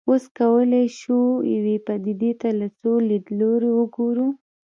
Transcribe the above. اوس کولای شو یوې پدیدې ته له څو لیدلوریو وګورو.